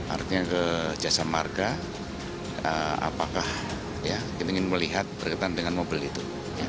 artinya ke jasa marga apakah kita ingin melihat berkaitan dengan mobil itu